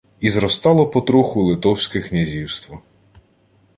І зростало потроху Литовське князівство.